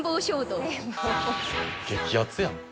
激アツやん。